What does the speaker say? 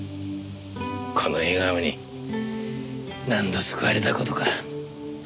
この笑顔に何度救われた事か。